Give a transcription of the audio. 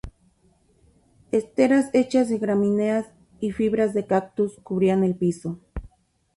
Esteras hechas de gramíneas y fibras de cactus cubrían el piso.